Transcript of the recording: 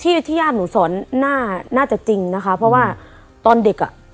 ที่ที่ญาติหนูสอนน่าจะจริงนะคะเพราะว่าตอนเด็กอ่ะ